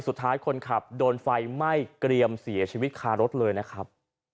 คนขับโดนไฟไหม้เกรียมเสียชีวิตคารถเลยนะครับ